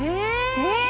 え！